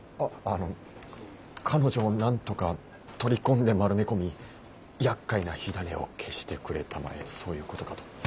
ああの彼女をなんとか取り込んで丸め込みやっかいな火種を消してくれたまえそういうことかと。